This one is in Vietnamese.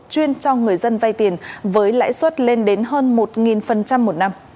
chuyên cho người dân vay tiền với lãi suất lên đến hơn một một năm